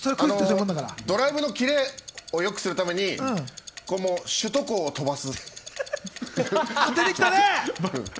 ドライブのキレを良くするために、首都高を飛ばす。